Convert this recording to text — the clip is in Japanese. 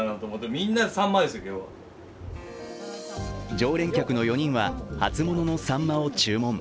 常連客の４人は初もののさんまを注文。